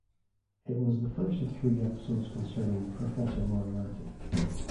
It was the first of the three episodes concerning Professor Moriarty.